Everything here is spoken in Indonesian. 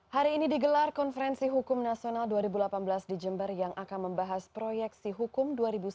hari ini digelar konferensi hukum nasional dua ribu delapan belas di jember yang akan membahas proyeksi hukum dua ribu sembilan belas